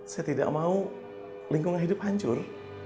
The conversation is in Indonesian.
saya tidak mau lingkungan hidup hancur